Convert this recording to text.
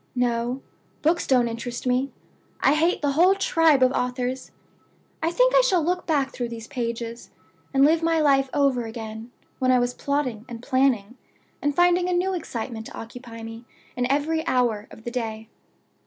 No; books don't interest me; I hate the whole tribe of authors. I think I shall look back through these pages, and live my life over again when I was plotting and planning, and finding a new excitement to occupy me in every new hour of the day.